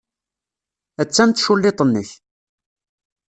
Attan tculliḍt-nnek.